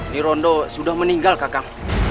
dirondo sudah meninggal kakak